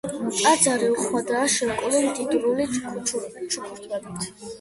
ტაძარი უხვადაა შემკული მდიდრული ჩუქურთმებით.